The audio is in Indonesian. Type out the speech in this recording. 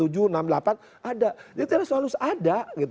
jadi tidak selalu ada